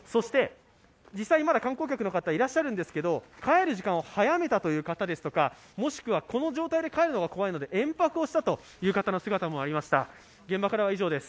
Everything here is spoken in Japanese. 実際にまだ観光客の方、いらっしゃるんですけど、帰る時間を早めたという方やもしくは、この状態で帰るのは怖いので延泊をしたという方の姿もありました。